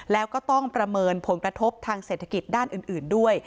แล้วก็ต้องประเมินผลกระทบทางเศรษฐกิจด้านอื่นด้วย